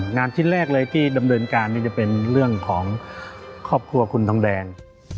ชิ้นแรกเลยที่ดำเนินการนี่จะเป็นเรื่องของครอบครัวคุณทองแดง